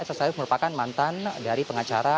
elsa sarif merupakan mantan dari pengacara